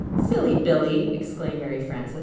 "] "Silly Billy!" exclaimed Mary Frances.